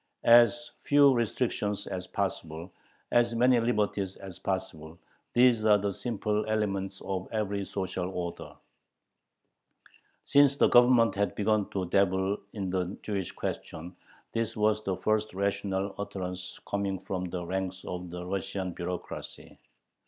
As few restrictions as possible, as many liberties as possible these are the simple elements of every social order. Since the Government had begun to dabble in the Jewish question, this was the first rational utterance coming from the ranks of the Russian bureaucracy.